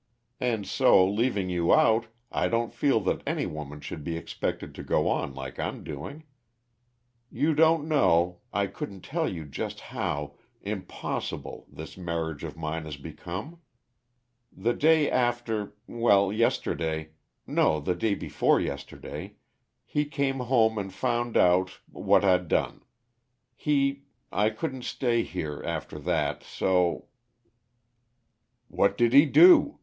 And so, leaving you out, I don't feel that any woman should be expected to go on like I'm doing. You don't know I couldn't tell you just how impossible this marriage of mine has become. The day after well, yesterday no, the day before yesterday he came home and found out what I'd done. He I couldn't stay here, after that, so " "What did he do?"